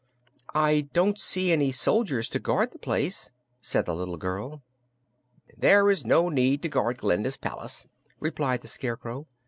"I don't see any soldiers to guard the place," said the little girl. "There is no need to guard Glinda's palace," replied the Scarecrow.